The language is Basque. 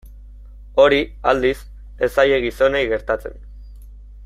Hori, aldiz, ez zaie gizonei gertatzen.